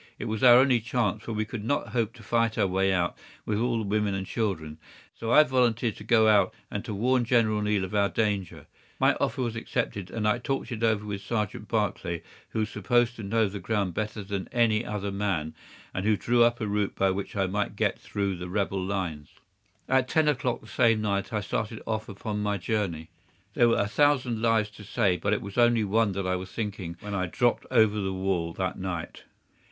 It was our only chance, for we could not hope to fight our way out with all the women and children, so I volunteered to go out and to warn General Neill of our danger. My offer was accepted, and I talked it over with Sergeant Barclay, who was supposed to know the ground better than any other man, and who drew up a route by which I might get through the rebel lines. At ten o'clock the same night I started off upon my journey. There were a thousand lives to save, but it was of only one that I was thinking when I dropped over the wall that night.